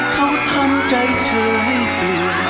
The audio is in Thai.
เขาทำใจเธอให้เปลี่ยน